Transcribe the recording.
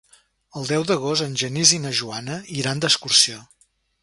El deu d'agost en Genís i na Joana iran d'excursió.